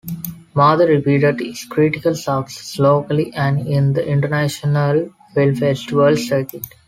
"Mother" repeated its critical success locally and in the international film festival circuit.